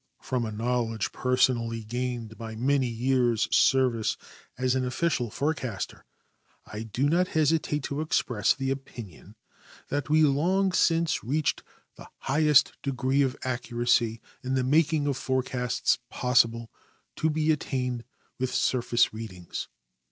From a knowledge personally gained by many years" service as an official forecaster, I do not hesitate to express the opinion that we long since reached the highest degree of accuracy in the making of forecasts possible to be attained with surface readings.